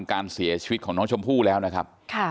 การเสียชีวิตของน้องชมพู่แล้วนะครับ